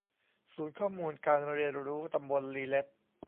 ศูนย์ข้อมูลการเรียนรู้ตำบลลีเล็ด